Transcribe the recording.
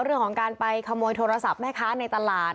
เรื่องของการไปขโมยโทรศัพท์แม่ค้าในตลาด